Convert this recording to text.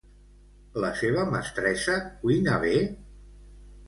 La seva mestressa cuina bé?